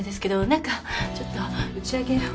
何かちょっと打ち上げを。